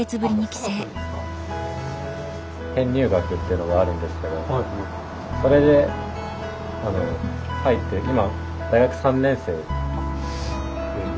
編入学っていうのがあるんですけどそれで入って今大学３年生。